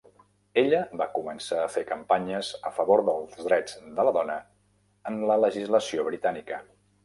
Ella va començar a fer campanyes a favor dels drets de la dona en la legislació britànica.